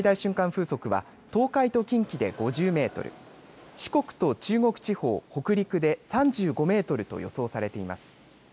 風速は東海と近畿で５０メートル、四国と中国地方、北陸で３５メートルと予想されています。